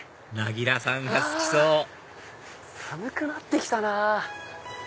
なぎらさんが好きそう寒くなって来たな。